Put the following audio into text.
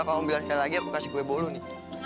kamu bilang sekali lagi aku kasih kue bolu nih